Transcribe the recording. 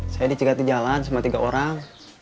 saya dicegat di jalan cuma tiga orang